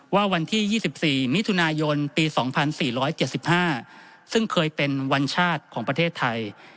วันที่๒๔มิถุนายนปี๒๔๗๕ซึ่งเคยเป็นวันชาติของประเทศไทย